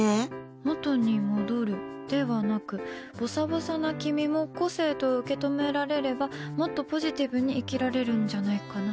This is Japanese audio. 元に戻るではなくぼさぼさな君も個性と受け止められればもっとポジティブに生きられるんじゃないかな。